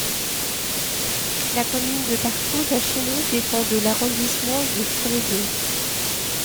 La commune de Parcoul-Chenaud dépend de l'arrondissement de Périgueux.